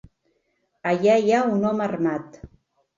Allà hi ha un home armat.